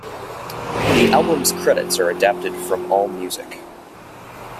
The album's credits are adapted from AllMusic.